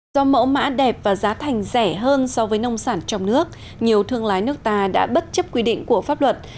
do mẫu mã đẹp và giá thành rẻ hơn so với nông sản trong nước nhiều thương lái nước ta đã bất chấp quy định của pháp luật